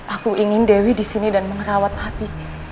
aku ingin dewi disini dan mengerawat abi